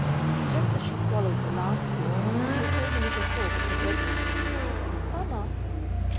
Just as she swallowed the last bit there came a little call from her bedroom: "Mama?"